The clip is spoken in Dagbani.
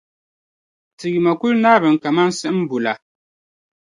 ti yuma kul naarimi kaman siɣimbu la.